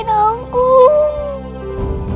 saturasi nya turun dok